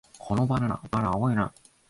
このバナナ、まだ青いな